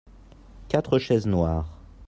quatre chaises noires.